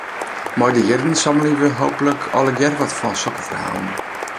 Mei de jierren sammelje we hooplik allegearre wat fan sokke ferhalen.